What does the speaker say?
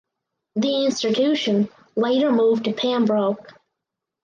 The institution later moved to Pembroke.